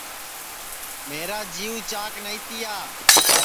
میرا جِیوَ چاک نائی تِیا